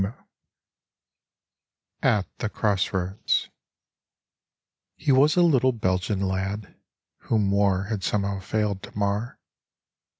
26 AT THE CROSS ROADS He was a little Belgian lad Whom war had somehow failed to mar.